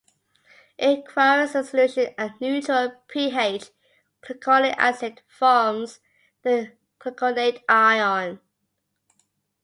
In aqueous solution at neutral pH, gluconic acid forms the gluconate ion.